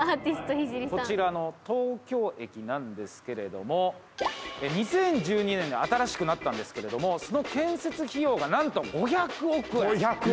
こちらの東京駅なんですけれども２０１２年に新しくなったんですけれどもその建設費用が何と５００億円。